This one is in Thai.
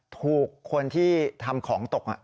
ถูกคนที่ทำของตก